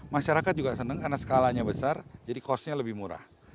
masyarakat juga senang karena skalanya besar jadi costnya lebih murah